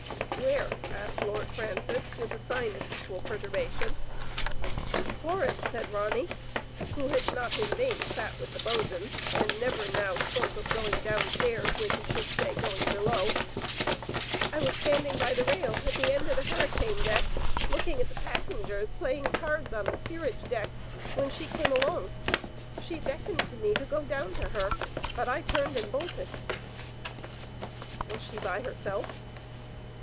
Where?" asked Lord Francis with a sign of equal perturbation. "Forrard," said Ronny, who had not in vain sat with the bos*n, and never now spoke of going downstairs when he should say going below. I was standing by the rail at the end of the hurri cane deck looking at the passengers playing cards on the steerage deck, when she came along. She beckoned to me to go down to her, but I turned and bolted.'* Was she by herself?"